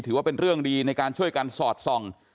ถือว่าเป็นเรื่องดีในการช่วยกันสอดส่อง